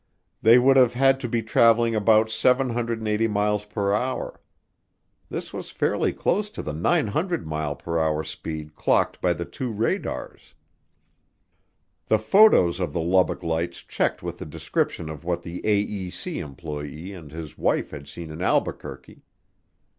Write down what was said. They would have had to be traveling about 780 miles per hour. This was fairly close to the 900 mile per hour speed clocked by the two radars. The photos of the Lubbock Lights checked with the description of what the AEC employee and his wife had seen in Albuquerque.